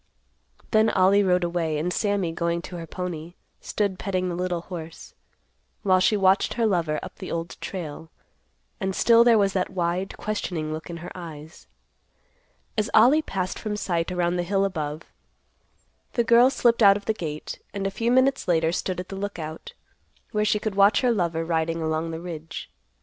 Then Ollie rode away, and Sammy, going to her pony, stood petting the little horse, while she watched her lover up the Old Trail, and still there was that wide, questioning look in her eyes. As Ollie passed from sight around the hill above, the girl slipped out of the gate, and a few minutes later stood at the Lookout, where she could watch her lover riding along the ridge.